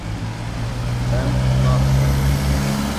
Em nabizdin.